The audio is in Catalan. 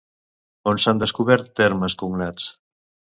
On s'han descobert termes cognats?